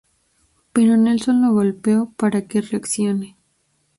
Pero Nelson lo golpea para que reaccione.